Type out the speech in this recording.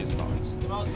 知ってます！